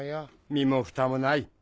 身もふたもない。